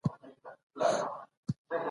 ایا منځنی ختیځ د مغولو تر اغېز لاندي و؟